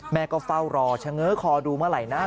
แม่ก็เฝ้ารอชะเงอคอดูเมื่อไหร่หน้า